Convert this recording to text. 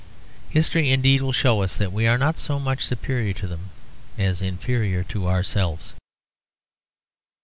History indeed will show us that we are not so much superior to them as inferior to ourselves.